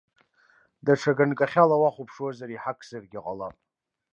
Даҽа ганкахьала уахәаԥшуазар, иҳақзаргьы ҟалап.